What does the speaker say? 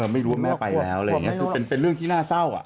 ไม่รู้แม่ไปแล้วเป็นเรื่องที่น่าเศร้า